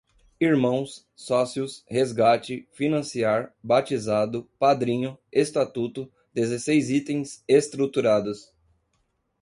irmãos, sócios, resgate, financiar, batizado, padrinho, estatuto, dezesseis itens, estruturados